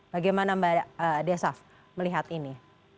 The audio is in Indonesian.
bagaimana mbak desaf melihat ini